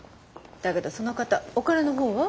だけどその方お金の方は？